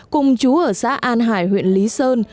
cùng chú ở xã an hải huyện lý sơn